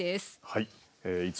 はい。